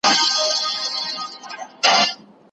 څه ښه یاران وه څه ښه یې زړونه